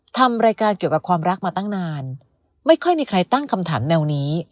ทำรายการเกี่ยวกับความรักมาตั้งนานไม่ค่อยมีใครตั้งคำถามแนวนี้